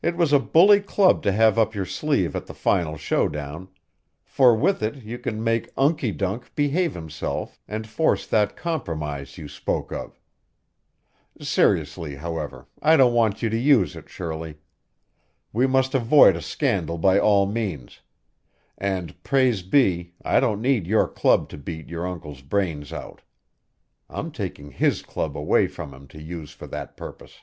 It was a bully club to have up your sleeve at the final show down, for with it you can make Unkie dunk behave himself and force that compromise you spoke of. Seriously, however, I don't want you to use it, Shirley. We must avoid a scandal by all means; and praise be, I don't need your club to beat your uncle's brains out. I'm taking HIS club away from him to use for that purpose."